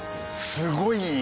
すごい良い！